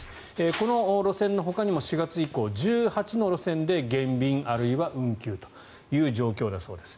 この路線のほかにも４月以降１８の路線で減便あるいは運休という状況だそうです。